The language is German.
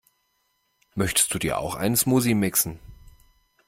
Möchtest du dir auch einen Smoothie mixen?